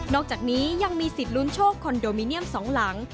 อกจากนี้ยังมีสิทธิ์ลุ้นโชคคอนโดมิเนียมสองหลัง